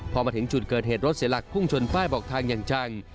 หรือเกิดเหตุรถเสียหลักพุ่งชนป้ายบอกทางอย่างจัง